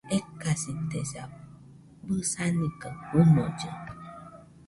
Ekasitesa, bɨsani kaɨ fɨnollɨ